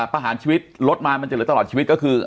ประหารชีวิตลดมามันจะเหลือตลอดชีวิตก็คือ